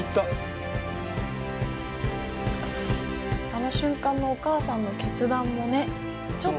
あの瞬間のお母さんの決断もね。